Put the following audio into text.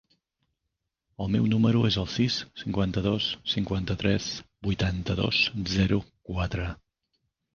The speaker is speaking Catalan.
El meu número es el sis, cinquanta-dos, cinquanta-tres, vuitanta-dos, zero, quatre.